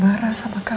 kena semua beban saya